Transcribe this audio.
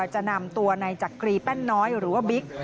จะนำตัวในจักรีแป้นน้อยหรือว่าบิ๊ก